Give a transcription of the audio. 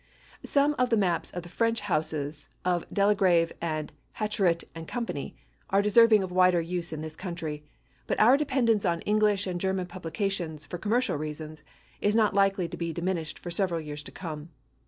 Some of the maps of the French houses of Delagrave and Hachette & Company are deserving of wider use in this country, but our dependence on English and German publications, for commercial reasons; is not likely to be diminished for several years to come.